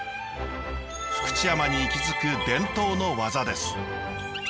福知山に息づく伝統の技です。